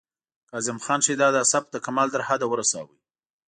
کاظم خان شیدا دا سبک د کمال تر حده ورساوه